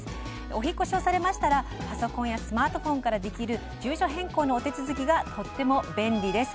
お引っ越しをされたらパソコンやスマートフォンからできる住所変更のお手続きがとっても便利です。